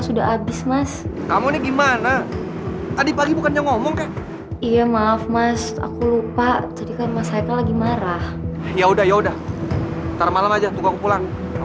sampai jumpa di video selanjutnya